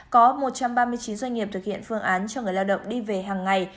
có một trăm ba mươi chín doanh nghiệp thực hiện phương án cho người lao động đi về hàng ngày